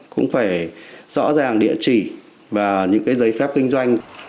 cũng phải rõ ràng địa chỉ và những giấy phép kinh doanh